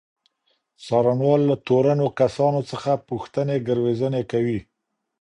څارنوال له تورنو کسانو څخه پوښتني ګروېږنې کوي.